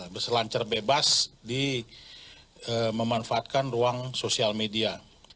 berselancar bebas di memanfaatkan ruang sosial media